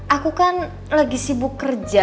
aku kan lagi sibuk kerja